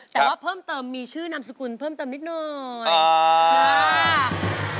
แต่ว่าเพิ่มเติมมีชื่อนามสกุลเพิ่มเติมนิดหน่อยค่ะ